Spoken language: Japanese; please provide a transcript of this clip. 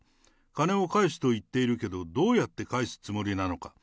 金を返すと言っているけど、どうやって返すつもりなのか。